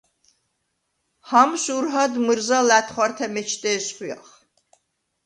ჰამს ურჰად მჷრზა ლა̈თხვართე მეჩდე ესხვიახ.